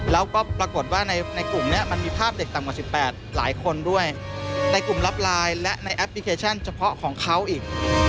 แล้วก็ปรากฏว่าในกลุ่มนี้มันมีภาพเด็กต่ำกว่า๑๘หลายคนด้วยในกลุ่มลับไลน์และในแอปพลิเคชันเฉพาะของเขาอีก